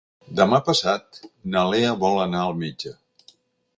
Demà passat na Lea vol anar al metge.